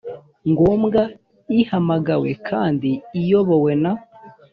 ngombwa ihamagawe kandi iyobowe n